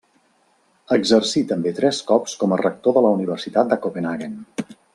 Exercí també tres cops com a rector de la Universitat de Copenhaguen.